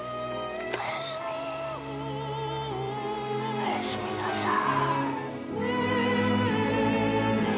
おやすみなさい。